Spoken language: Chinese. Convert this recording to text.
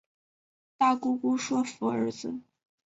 大姑姑说服儿子